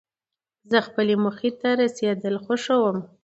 زه خپلې موخي ته رسېدل خوښوم.